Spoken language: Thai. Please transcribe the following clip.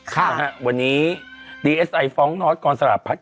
มาวันนี้ดีเอสไอฟองนอสกองสลากพรรดิ